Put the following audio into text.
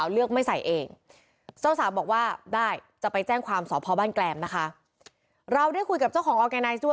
เราได้คุยกับเจ้าของออร์แกน้ทด้วย